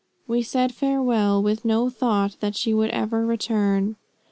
We said farewell with no thought that she would ever return."